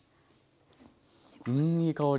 うんいい香り。